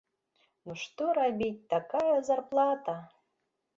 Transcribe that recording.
Ну што рабіць, такая зарплата!